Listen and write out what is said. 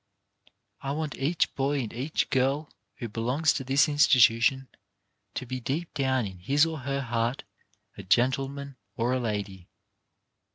I want each boy and each girl who belongs to this institution to be deep down in his or her heart a gentleman or a lady.